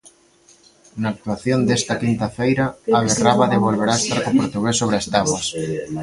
Na actuación desta quinta feira, Abe Rábade volverá estar co portugués sobre as táboas.